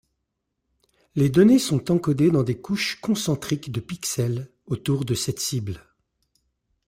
Les données sont encodées dans des couches concentriques de pixels autour de cette cible.